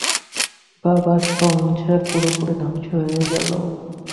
বাবার সংসার পুরোপুরি ধ্বংস হয়ে গেল।